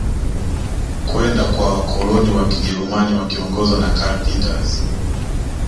Kwenda kwa wakoloni wa kijerumani wakiongozwa na karl peters